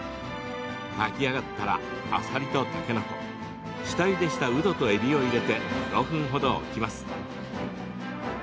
炊き上がったらあさりとたけのこ下ゆでしたうどとえびを入れて５分ほど置きます。